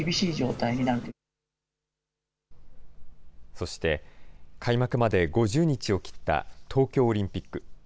そして、開幕まで５０日を切った東京オリンピック。